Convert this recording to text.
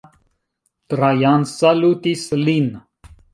Trajan salutis lin.